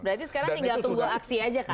berarti sekarang tinggal tunggu aksi aja kak